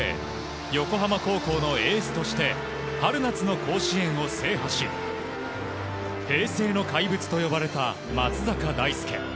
横浜高校のエースとして春夏の甲子園を制覇し平成の怪物と呼ばれた松坂大輔。